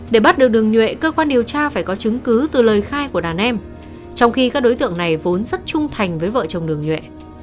để bắt được đường nhuệ cơ quan điều tra phải có chứng cứ từ lời khai của đàn em trong khi các đối tượng này vốn rất trung thành với vợ chồng đường nhuệ